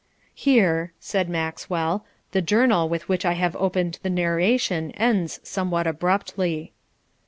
'Here,' said Maxwell, 'the journal with which I have opened the narration ends somewhat abruptly.'